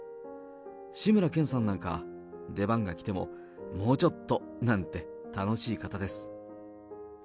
志村けんさんなんか、出番が来てももうちょっとなんて、楽しい方です。